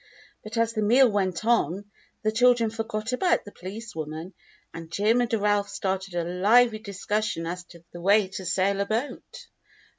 But as the meal went on, the children forgot about the Police Woman, and Jim and Ralph started a lively discussion as to the way to sail a boat.